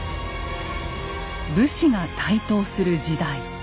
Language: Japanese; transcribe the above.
武士が台頭する時代。